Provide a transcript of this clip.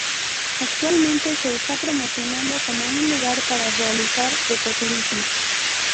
Actualmente se está promocionando como un lugar para realizar ecoturismo.